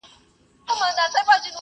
زه پرون کتابتوننۍ سره وم؟